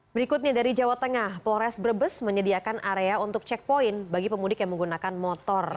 berikutnya dari jawa tengah polres brebes menyediakan area untuk checkpoint bagi pemudik yang menggunakan motor